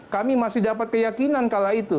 kami masih dapat keyakinan kala itu